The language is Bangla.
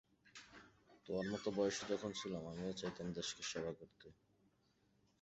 তোমার মতো বয়সে যখন ছিলাম, আমিও চাইতাম দেশকে সেবা করতে।